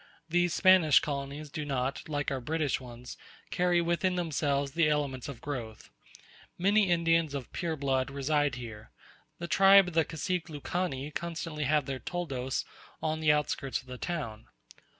These Spanish colonies do not, like our British ones, carry within themselves the elements of growth. Many Indians of pure blood reside here: the tribe of the Cacique Lucanee constantly have their Toldos on the outskirts of the town.